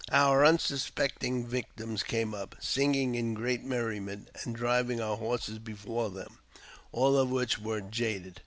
Our unsuspecting victims came up, singing in great merriment, and driving our horses before them, all of which were jaded.